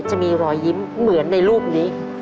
จะมีรอยยิ้มเหมือนในรูปนี้